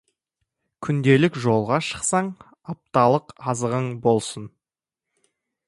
Күндік жолға шықсаң, апталық азығың болсын.